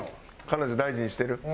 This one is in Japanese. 彼女大事にしてる？